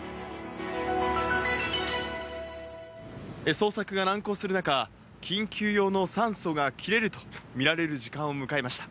捜索が難航する中緊急用の酸素が切れるとみられる時間を迎えました。